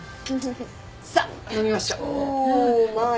さあ飲みましょう。